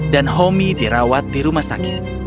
dan homi dirawat di rumah sakit